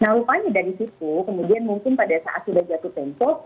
nah rupanya dari situ kemudian mungkin pada saat sudah jatuh tempo